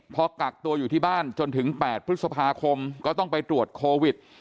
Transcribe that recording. พอกักตัวอยู่ที่บ้านจนถึง๘พฤษภาคมก็ต้องไปตรวจโควิด